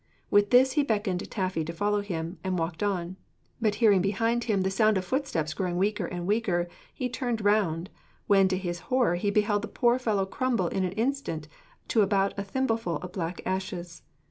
With this he beckoned Taffy to follow him, and walked on; but hearing behind him the sound of footsteps growing weaker and weaker, he turned round, when to his horror he beheld the poor fellow crumble in an instant to about a thimbleful of black ashes.